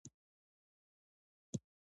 دا احساس په هغه صورت کې راپیدا کېدای شي.